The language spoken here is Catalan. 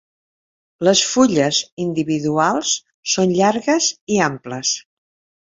Les fulles individuals són llargues i amples.